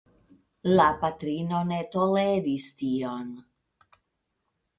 La patrino ne toleris tion.